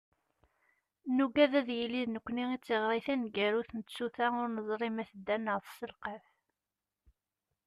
Nugad ad yili d nekkni i d tiɣri taneggarut n tsuta ur neẓri ma tedder neɣ tesselqaf.